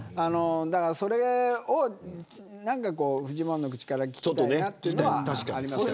それをフジモンの口から聞きたいなというのはありますね。